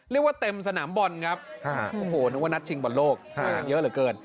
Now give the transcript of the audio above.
เรียกว่าเต็มสนามบอลครับโอ้โหนึกว่านัดชิงบอลโลกมากันเยอะเหลือเกิน